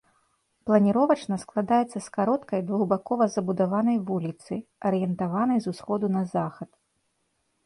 Планіровачна складаецца з кароткай двухбакова забудаванай вуліцы, арыентаванай з усходу на захад.